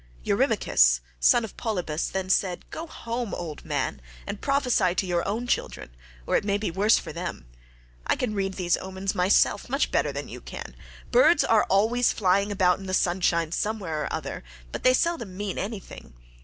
Eurymachus son of Polybus then said, "Go home, old man, and prophesy to your own children, or it may be worse for them. I can read these omens myself much better than you can; birds are always flying about in the sunshine somewhere or other, but they seldom mean anything.